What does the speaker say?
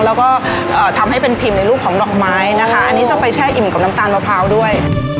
แล้วก็ทำให้เป็นพิมพ์ในรูปของดอกไม้นะคะอันนี้จะไปแช่อิ่มกับน้ำตาลมะพร้าวด้วย